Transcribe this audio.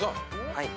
はい。